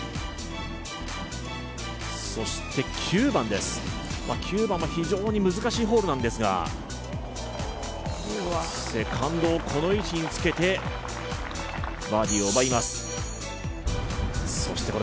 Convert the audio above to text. そして９番です、９番は非常に難しいホールなんですが、セカンドをこの位置につけてバーディーを奪います。